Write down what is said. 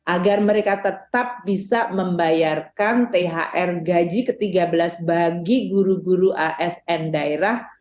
agar mereka tetap bisa membayarkan thr gaji ke tiga belas bagi guru guru asn daerah